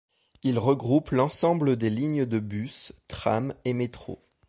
Il regroupe l’ensemble des lignes de bus, trams et métros.